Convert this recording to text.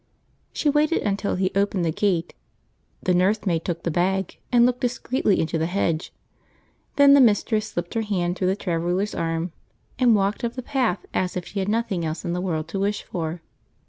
She waited until he opened the gate, the nursemaid took the bag and looked discreetly into the hedge, then the mistress slipped her hand through the traveller's arm and walked up the path as if she had nothing else in the world to wish for.